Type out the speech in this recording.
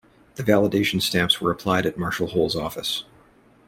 The validation stamps were applied at Marshall Hole's office.